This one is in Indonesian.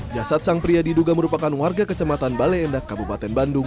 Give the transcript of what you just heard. jasad sang pria diduga merupakan warga kecamatan bale endak kabupaten bandung